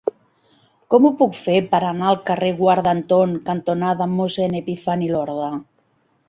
Com ho puc fer per anar al carrer Guarda Anton cantonada Mossèn Epifani Lorda?